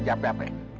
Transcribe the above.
lo jahat sih